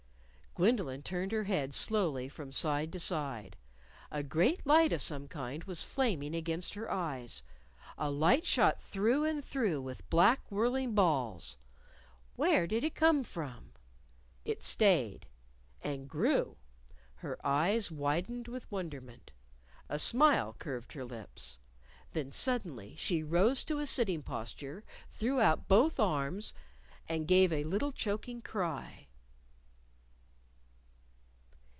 Gwendolyn turned her head slowly from side to side. A great light of some kind was flaming against her eyes a light shot through and through with black, whirling balls. Where did it come from? It stayed. And grew. Her eyes widened with wonderment. A smile curved her lips. Then suddenly she rose to a sitting posture, threw out both arms, and gave a little choking cry.